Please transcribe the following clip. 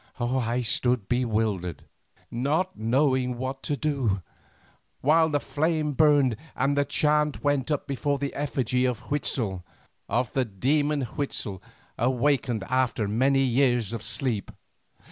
I stood bewildered, not knowing what to do, while the flame burned and the chant went up before the effigy of Huitzel, of the demon Huitzel awakened after many years of sleep.